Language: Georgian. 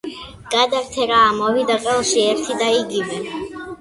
გადართე რა, ამოვიდა ყელში ერთი და იგივე!